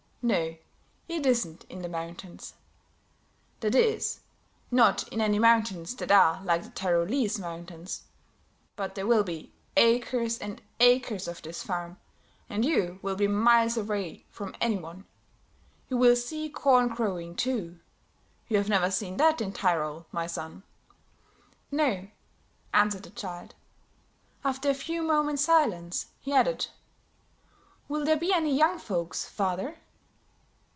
"No, it isn't in the mountains; that is, not in any mountains that are like the Tyrolese mountains. But there will be acres and acres of this farm, and you will be miles away from any one. You will see corn growing, too; you've never seen that in Tyrol, my son." "No," answered the child. After a few moments' silence, he added: "Will there be any young folks, father?"